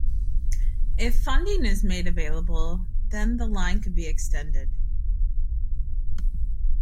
If funding is made available, then the line could be extended.